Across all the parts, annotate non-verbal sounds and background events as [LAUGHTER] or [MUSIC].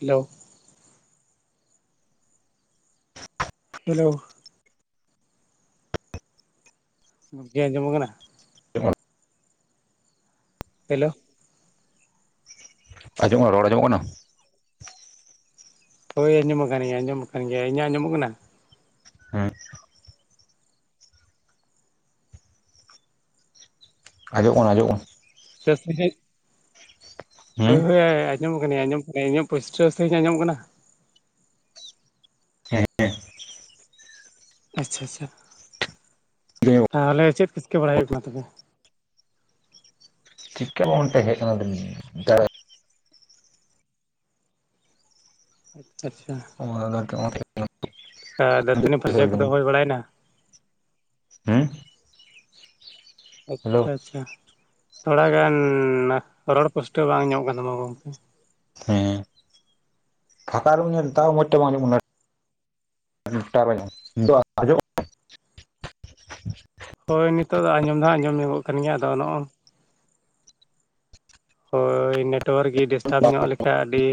Hello hello ᱜᱚᱝᱠᱮ ᱟᱸᱡᱚᱢᱚᱢ ᱠᱟᱱᱟ? ᱦᱮᱞᱳ ᱟᱸᱡᱚᱢᱚᱜ ᱠᱟᱱᱟ ᱨᱚᱲ ᱟᱸᱡᱚᱢᱚᱜ ᱠᱟᱱᱟ? ᱦᱳᱭ ᱟᱸᱡᱚᱢᱚᱜ ᱠᱟᱱ ᱜᱮᱭᱟ ᱟᱸᱚᱢᱚᱜ ᱠᱟᱱ ᱜᱮᱭᱟ ᱤᱧᱟᱜ ᱟᱸᱡᱚᱢᱚᱜ ᱠᱟᱱᱟ ᱦᱮᱸ ᱟᱸᱡᱚᱢᱚᱜ ᱠᱟᱱᱟ ᱟᱸᱡᱚᱢᱚᱜ.... ᱵᱮᱥ ᱥᱟ. ᱦᱤᱸᱡ ᱠᱟᱱᱟ ᱦᱮᱸ ᱦᱳᱭ ᱦᱳᱭ ᱟᱸᱡᱚᱢᱚᱜ ᱠᱟᱱᱟ ᱜᱤᱭᱟ. ᱟᱸᱡᱚᱢ ᱠᱟᱹᱟᱧ, ᱤᱧᱟᱹᱜ ᱯᱩᱥᱴᱟᱹᱣ ᱥᱟ. ᱦᱤᱸᱡ ᱟᱸᱡᱚᱢᱚᱜ ᱠᱟᱱᱟ? ᱦᱮᱸ ᱟᱪᱪᱷᱟ ᱟᱪᱪᱷᱟ ᱛᱟᱦᱞᱮ ᱪᱮᱫ ᱪᱤᱠᱟᱹ ᱵᱟᱲᱟ ᱦᱩᱭᱩᱜ ᱠᱟᱱᱟ ᱛᱚᱵᱮ ᱪᱤᱠᱟᱹ ᱵᱟᱝ ᱛᱟᱦᱮᱡ ᱠᱟᱱᱟ [UNINTELLIGIBLE] ᱟᱪᱪᱷᱟ ᱟᱪᱪᱷᱟ ᱚ ᱟᱫᱚ ᱱᱤᱛᱚᱜ ᱚᱱᱛᱮ ᱜᱮ ᱟ.... ᱫᱟᱹᱛᱟᱹᱱᱤ ᱯᱷᱟ. ᱨᱪᱟ. ᱠᱚᱫᱚ ᱦᱩᱭ ᱵᱟᱲᱟᱭᱮᱱᱟ? ᱦᱩᱸ ᱟᱪᱪᱷᱟ ᱟᱪᱪᱷᱟ ᱛᱷᱚᱲᱟ ᱜᱟᱱ ᱨᱚᱲ ᱯᱩᱥᱴᱟᱹᱣ ᱵᱟᱝ ᱧᱟᱢᱚᱜ ᱠᱟᱱ ᱛᱟᱢᱟ ᱜᱚᱝᱠᱮ ᱦᱮᱸᱻ ᱯᱷᱟᱠᱟ ᱨᱮ ᱢᱮᱱᱤᱧᱟ ᱛᱟᱣ ᱢᱟᱡᱽ ᱛᱮ ᱵᱟᱝ ᱟᱡᱚᱢᱚᱜ ᱠᱟᱱᱟ [UNINTELLIGIBLE] ᱦᱳᱭ ᱱᱤᱛᱚᱜ ᱫᱚ ᱟᱸᱡᱚᱢ ᱫᱚ ᱦᱟᱸᱜ ᱟᱸᱡᱚᱢ ᱧᱚᱜ ᱠᱟᱱ ᱜᱮᱭᱟ ᱟᱫᱚ ᱱᱚᱜ-ᱚᱭ ᱦᱳᱭ ᱱᱮᱴᱣᱟᱨᱠ ᱜᱮ ᱰᱤᱥᱴᱟᱵᱽ ᱧᱚᱜ ᱞᱮᱠᱷᱟᱱᱡ ᱟᱹᱰᱤ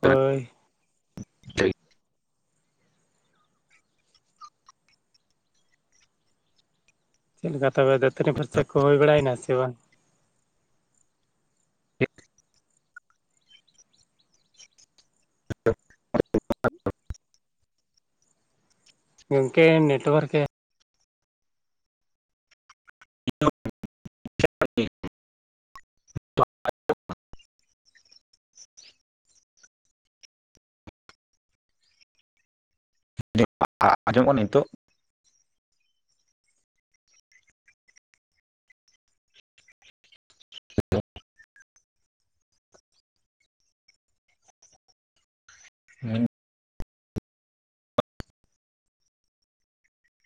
ᱦᱳᱭ ᱴᱷᱤᱠ ᱪᱮᱫ ᱞᱮᱠᱟ ᱛᱚᱵᱮ ᱫᱟᱹᱛᱟᱹᱱᱤ ᱯᱷᱟ. ᱨᱪᱟ. ᱠᱚ ᱦᱩᱭ ᱵᱟᱲᱟᱭᱮᱱᱟ ᱥᱮ ᱵᱟᱝ? [UNINTELLIGIBLE] ᱜᱚᱢᱠᱮ ᱱᱮᱴᱣᱟᱨᱠ ᱮ [UNINTELLIGIBLE] [UNINTELLIGIBLE] ᱟᱸᱡᱚᱢᱚᱜ ᱠᱟᱱ ᱜᱤᱭᱟ ᱱᱤᱛᱚᱜ? ᱦᱩᱸ